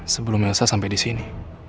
sebelum elsa sampe disini